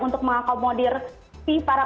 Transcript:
untuk mengakomodir si para